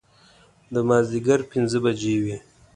د مازدیګر پنځه بجې وې.